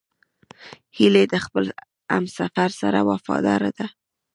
هیلۍ د خپل همسفر سره وفاداره ده